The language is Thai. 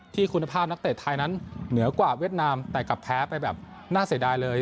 ที่คุณภาพนักเตะไทยนั้นเหนือกว่าเวียดนามแต่กลับแพ้ไปแบบน่าเสียดายเลย